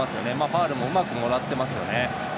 ファウルもうまくもらってますね。